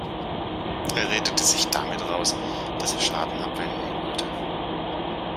Er redete sich damit heraus, dass er Schaden abwenden wollte.